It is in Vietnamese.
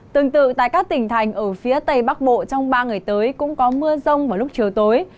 tương tự tại các tỉnh thành ở phía tây bắc bộ trong ba ngày tới cũng có mưa rông vào lúc chiều tối